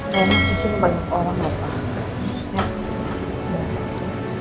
banyak disini banyak orang mbak kat